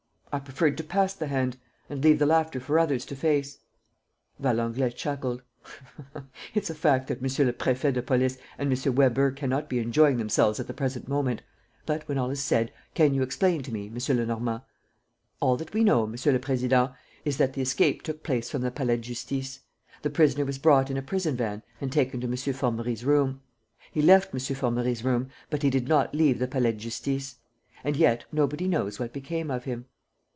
I preferred to pass the hand ... and leave the laughter for others to face." Valenglay chuckled: "It's a fact that Monsieur le Préfet de Police and M. Weber cannot be enjoying themselves at the present moment. ... But, when all is said, can you explain to me, M. Lenormand ..." "All that we know, Monsieur le Président, is that the escape took place from the Palais de Justice. The prisoner was brought in a prison van and taken to M. Formerie's room. He left M. Formerie's room, but he did not leave the Palais de Justice. And yet nobody knows what became of him."